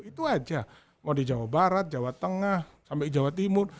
itu aja mau di jawa barat jawa tengah sampai jawa timur